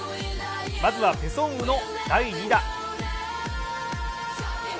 まずはペ・ソンウの第２打。